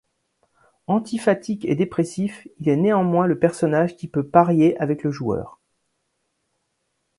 Antiphatique et dépressif, il est néanmoins le personnage qui peut parier avec le joueur.